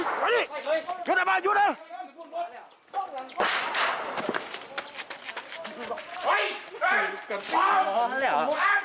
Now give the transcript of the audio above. เฮ่ยมานี่เกษตรบาลหยุดแล้ว